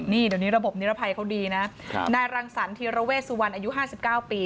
นี่เดี๋ยวนี้ระบบนิรภัยเขาดีนะในรังสรรค์ธีระเวชสุวรรณอายุห้าสิบเก้าปี